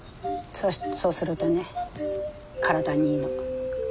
そうするとね体にいいの。